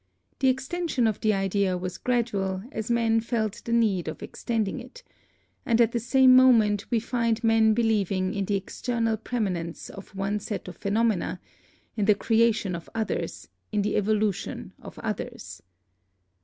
The extension of the idea was gradual as men felt the need of extending it; and at the same moment we find men believing in the external permanence of one set of phenomena, in the creation of others, in the evolution of others.